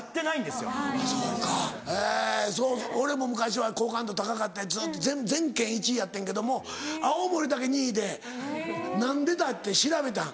俺も昔は好感度高かってんずっと全県１位やってんけども青森だけ２位で何でだって調べたん。